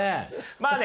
まあね